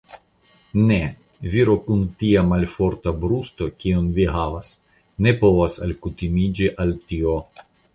Ne; viro kun tia malforta brusto, kian vi havas, ne povas alkutimiĝi al tio.